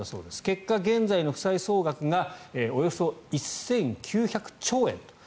結果、現在の負債総額がおよそ１９００兆円と。